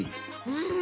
うん！